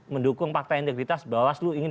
mendukung pakta integritas bawaslu ingin